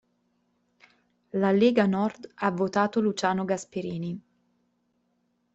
La Lega Nord ha votato Luciano Gasperini.